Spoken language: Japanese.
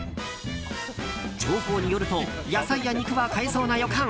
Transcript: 情報によると野菜や肉が買えそうな予感！